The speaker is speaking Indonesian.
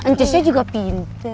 njusnya juga pinter